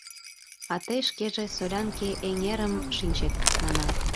«А тый шкеже Солянке эҥерым шинчет» манам.